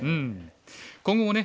今後もね